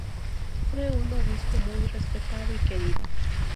Fue un obispo muy respetado y querido.